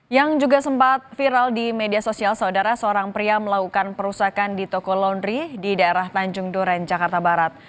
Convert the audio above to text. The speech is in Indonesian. yang juga sempat viral di media sosial saudara seorang pria melakukan perusakan di toko laundry di daerah tanjung duren jakarta barat